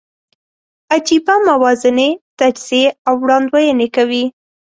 عجېبه موازنې، تجزیې او وړاندوینې کوي.